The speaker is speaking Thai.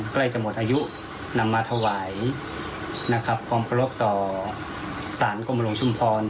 ใกล้จะหมดอายุนำมาถวายนะครับความเคารพต่อสารกรมหลวงชุมพร